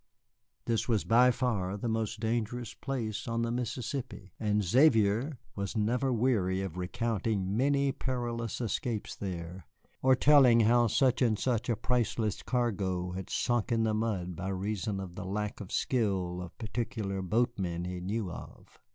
This was by far the most dangerous place on the Mississippi, and Xavier was never weary of recounting many perilous escapes there, or telling how such and such a priceless cargo had sunk in the mud by reason of the lack of skill of particular boatmen he knew of.